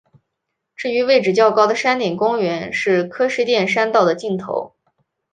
至于位置较高的山顶公园是柯士甸山道的尽头。